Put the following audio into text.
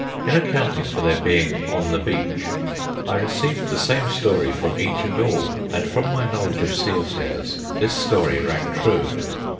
In accounting for their being "on the beach," I received the same story from each and all, and from my knowledge of sea affairs this story rang true.